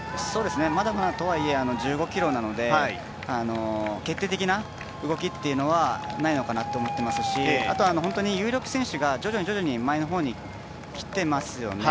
まだまだとはいえ１５ｋｍなので決定的な動きっていうのはないのかなって思いますしあとは、有力選手が徐々に前の方に来ていますよね。